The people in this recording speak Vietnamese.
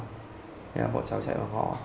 thế là bọn cháu chạy bằng họ